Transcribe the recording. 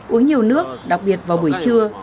uống nhiều nước đặc biệt vào buổi trưa